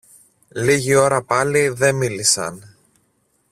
Λίγη ώρα πάλι δε μίλησαν.